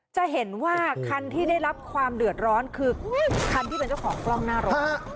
จะเห็นว่าคันที่ได้รับความเดือดร้อนคือคันที่เป็นเจ้าของกล้องหน้ารถ